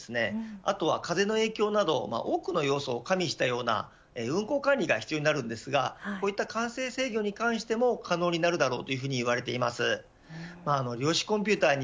あとは、風の影響など多くの要素を加味したような運行管理が必要になりますがこうした管制制御に関しても可能になるだろうと言われています。